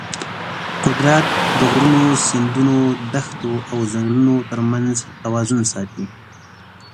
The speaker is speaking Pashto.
قدرت د غرونو، سیندونو، دښتو او ځنګلونو ترمنځ توازن ساتي.